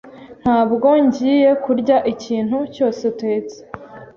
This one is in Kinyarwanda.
Ntabwo ngiye kurya ikintu cyose utetse.